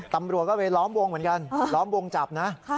ตำรวจก็ไปล้อมวงเหมือนกันล้อมวงจับนะ